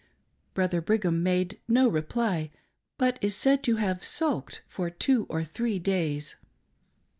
Brother Brigham made no reply, but is said to have " sulked " for two or three days.